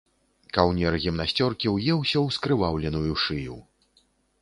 Каўнер гімнасцёркі ўеўся ў скрываўленую шыю.